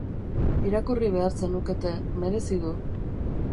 Irakurri behar zenukete, merezi du.